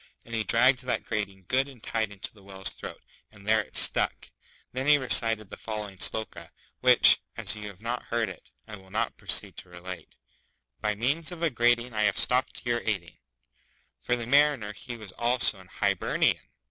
and he dragged that grating good and tight into the Whale's throat, and there it stuck! Then he recited the following Sloka, which, as you have not heard it, I will now proceed to relate By means of a grating I have stopped your ating. For the Mariner he was also an Hi ber ni an.